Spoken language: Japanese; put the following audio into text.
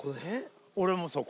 俺もそこ。